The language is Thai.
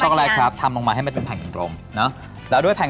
ออกมากดข้างนอกครับอันนั้นละลายอย่าง